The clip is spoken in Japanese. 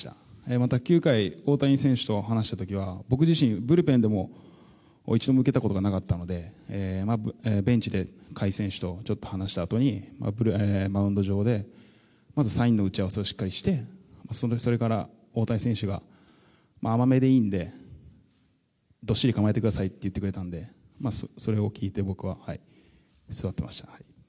また９回、大谷選手と話した時は僕自身、ブルペンでも一度も受けたことがなかったのでベンチで甲斐選手と話したあとに、マウンド上でまず、サインの打ち合わせをしっかりしてそれから大谷選手が甘めでいいのでどっしり構えてくださいと言ってくれたのでそれを聞いて僕は座ってました。